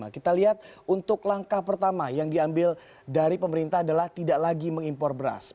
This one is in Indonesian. kita lihat untuk langkah pertama yang diambil dari pemerintah adalah tidak lagi mengimpor beras